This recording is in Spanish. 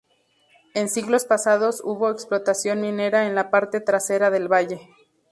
En siglos pasados hubo explotación minera en la parte trasera del valle.